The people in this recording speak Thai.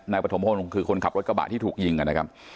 ปฐมพงศ์คือคนขับรถกระบะที่ถูกยิงนะครับ